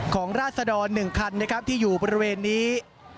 ของราศดรหนึ่งคันนะครับที่อยู่บริเวณนี้